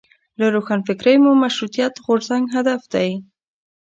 له روښانفکرۍ مو مشروطیت غورځنګ هدف دی.